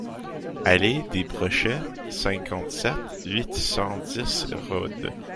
Allée des Brochets, cinquante-sept, huit cent dix Rhodes